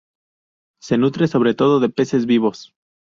Se nutre sobre todo de peces vivos.